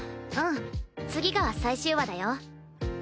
うん次が最終話だよ。